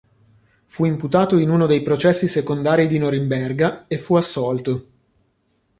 Fu imputato in uno dei processi secondari di Norimberga e fu assolto.